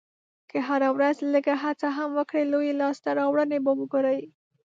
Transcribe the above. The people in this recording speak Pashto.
که هره ورځ لږه هڅه هم وکړې، لویې لاسته راوړنې به وګورې.